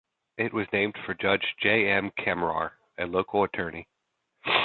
It was named for Judge J. M. Kamrar, a local attorney.